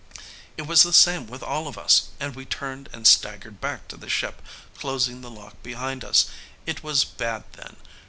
"It was the same with all of us, and we turned and staggered back to the ship, closing the lock behind us. It was bad then.